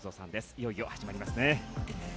いよいよ始まりますね。